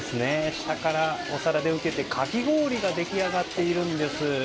下からお皿で受けてかき氷が出来上がっているんです。